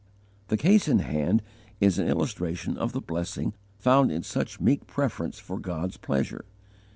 The case in hand is an illustration of the blessing found in such meek preference for God's pleasure.